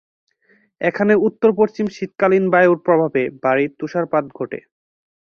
এখানে উত্তরপশ্চিম শীতকালীন বায়ুর প্রভাবে ভারি তুষারপাত ঘটে।